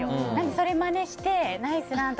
それまねして、ナイスラン！って。